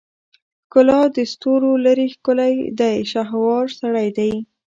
ښکلا دستورولري ښکلی دی شهوار سړی دی